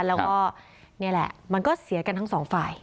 แล้วก็นี่แหละมันก็เสียกันทั้งสองฝ่าย